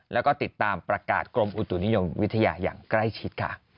แล้วก็ติดตามประกาศกรมอุตุนิยมวิทยาอย่างใกล้ชิดค่ะ